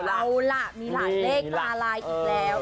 เอาล่ะมีหลายเลขตาลายอีกแล้ว